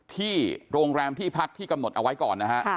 ที่โรงแรมที่พักที่กำหนดเอาไว้ก่อนนะฮะ